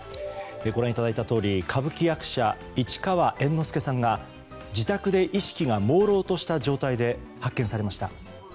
ご覧いただいたとおり歌舞伎役者・市川猿之助さんが自宅で意識がもうろうとした状態で発見されました。